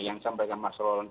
yang saya berikan mas roland